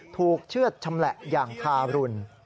ถูกเชื่อชำละอย่างคารุณ